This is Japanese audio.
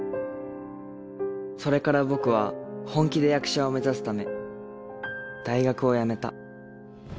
それから僕は本気で役者を目指すため大学を辞めた